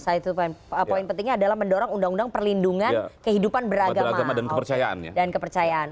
saya pikir itu poin pentingnya adalah mendorong undang undang perlindungan kehidupan beragama dan kepercayaan